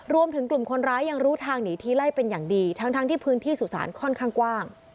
รวมถึงกลุ่มคนร้ายยังรู้ทางหนีทีไล่เป็นอย่างดีทั้งที่พื้นที่สุสานค่อนข้างกว้าง